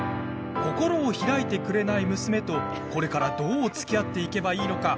心を開いてくれない娘とこれから、どうつきあっていけばいいのか？